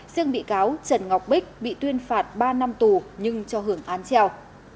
riêng bị cáo trần ngọc bích bị tuyên phạt ba năm tù nhưng cho hưởng án treo